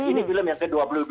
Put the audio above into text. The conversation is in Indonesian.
ini film yang ke dua puluh dua